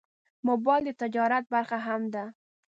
موبایل د تجارت برخه هم ده.